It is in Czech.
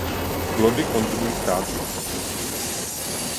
Plody konzumují ptáci.